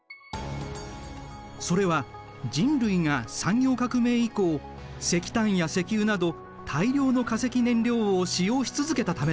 それは人類が産業革命以降石炭や石油など大量の化石燃料を使用し続けたためだ。